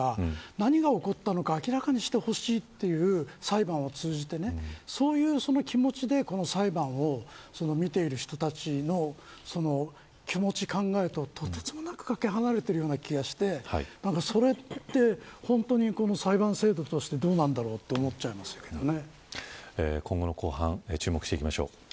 何が起こったのか明らかにしてほしいという裁判を通じてそういう気持ちで裁判を見ている人たちの気持ちを考えると、とてつもなくかけ離れているような気がしてそれって、本当に裁判制度としてどうなんだろうと思っちゃいますけどね。